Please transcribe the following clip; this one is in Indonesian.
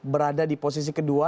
berada di posisi kedua